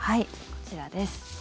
こちらです。